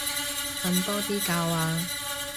瞓多啲覺啊